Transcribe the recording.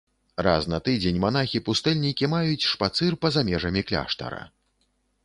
Раз на тыдзень манахі-пустэльнікі маюць шпацыр па-за межамі кляштара.